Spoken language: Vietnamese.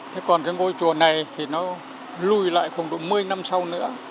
thế còn cái ngôi chùa này thì nó lùi lại khoảng độ một mươi năm sau nữa